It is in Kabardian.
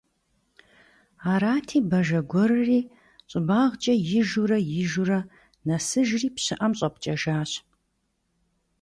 Арати Бажэ гуэрри щӀыбагъкӀэ ижурэ, ижурэ нэсыжри пщыӀэм щӀэпкӀэжащ.